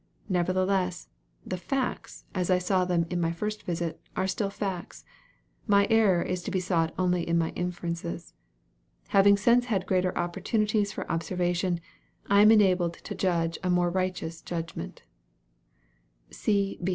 Nevertheless, the facts as I saw them in my first visit, are still facts; my error is to be sought only in my inferences. Having since had greater opportunities for observation, I am enabled to judge more righteous judgment.